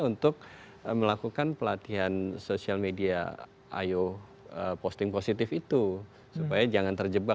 untuk melakukan pelatihan sosial media ayo posting positif itu supaya jangan terjebak